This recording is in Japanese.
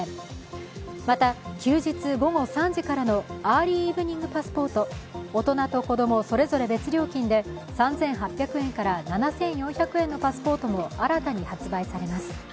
また、休日午後３時からのアーリーイブニングパスポート、大人と子供、それぞれ別料金で３８００円から７４００円のパスポートも新たに発売されます。